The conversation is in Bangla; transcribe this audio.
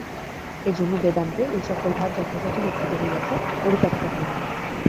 এজন্য বেদান্তে এই-সকল ভাব যথাযথ রক্ষিত হইয়াছে, পরিত্যক্ত হয় নাই।